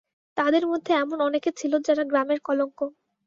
তাদের মধ্যে এমন অনেকে ছিল যারা গ্রামের কলঙ্ক।